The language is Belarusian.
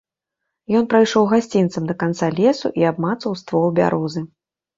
Ён прайшоў гасцінцам да канца лесу і абмацаў ствол бярозы.